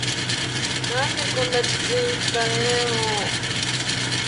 「何でこんなキツいんすかねぇ～も～…」